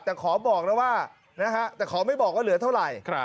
แต่ขอบอกนะว่านะฮะแต่ขอไม่บอกว่าเหลือเท่าไหร่